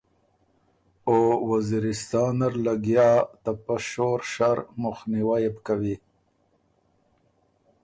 او وزیرستان نر لګیا ته پۀ شور شر مُخنیوئ يې بو کوی“